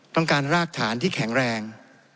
ต้องการรากฐานที่แข็งแรง